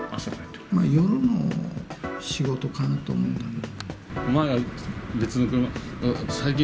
夜の仕事かなと思うんだけど。